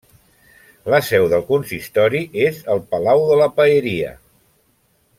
La seu del consistori és el Palau de la Paeria.